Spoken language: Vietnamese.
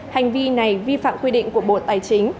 hành vi này vi phạm quy định của bộ tài chính